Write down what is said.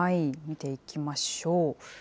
見ていきましょう。